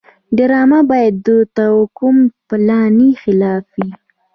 ډرامه باید د توکم پالنې خلاف وي